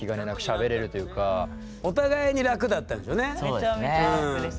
めちゃめちゃ楽です。